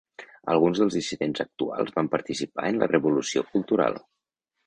Alguns dels dissidents actuals van participar en la Revolució Cultural.